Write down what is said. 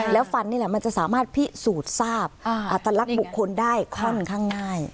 แล้วฟันนี่แหละมันจะสามารถพิสูจน์ทราบอัตลักษณ์บุคคลได้ค่อนข้างง่าย